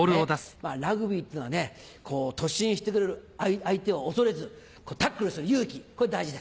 ラグビーっていうのは突進してくる相手を恐れずタックルする勇気これ大事です。